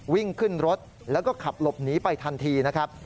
วิ่งขึ้นรถแล้วก็ขับหลบหนีไปทันทีนะครับ